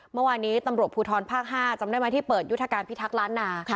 เมื่อวานี้ตำรวจภูทรภ๕จำได้ไหมที่เปิดประจำยุทธการพิฒาปร์พิทักษ์หน้า